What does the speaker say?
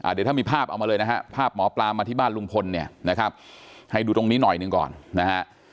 เดี๋ยวถ้ามีภาพเอามาเลยนะฮะภาพหมอปลามาที่บ้านลุงพลเนี่ยนะครับให้ดูตรงนี้หน่อยหนึ่งก่อนนะฮะ